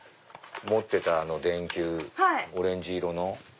持ってたあの電球オレンジ色の。